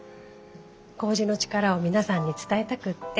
こうじの力を皆さんに伝えたくって